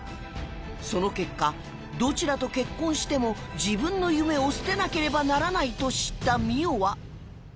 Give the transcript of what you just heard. その結果どちらと結婚しても自分の夢を捨てなければならないと知った澪は